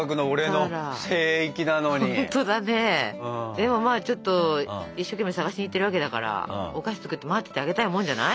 でもまあちょっと一生懸命探しに行ってるわけだからお菓子作って待っててあげたいもんじゃない？